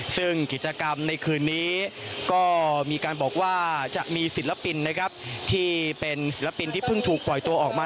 ซึ่งกิจกรรมในคืนนี้ก็มีการบอกว่าจะมีศิลปินนะครับที่เป็นศิลปินที่เพิ่งถูกปล่อยตัวออกมา